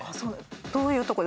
どういうところで？